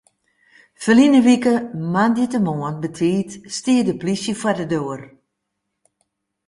Ferline wike moandeitemoarn betiid stie de plysje foar de doar.